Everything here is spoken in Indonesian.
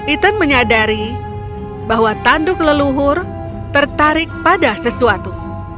ethan menyadari bahwa tanduk leluhur tertarik pada sesuatu